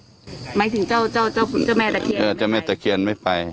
หมายถึงเจ้าเจ้าเจ้าขุนเจ้าแม่ตะเคียนเออเจ้าแม่ตะเคียนไม่ไป